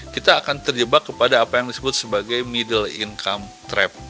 kita akan terjebak kepada apa yang disebut sebagai middle income trap